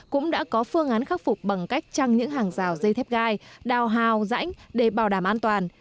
cũng đã có phương án khắc phục bằng cách trăng những hàng rào dây thép gai đào hào rãnh để bảo đảm an toàn